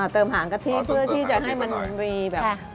หางกะทิเพื่อที่จะให้มันมีแบบ